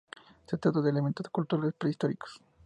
Se trata de elementos culturales "prehistóricos".